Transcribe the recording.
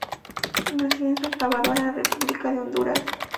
Nació en Santa Bárbara, república de Honduras.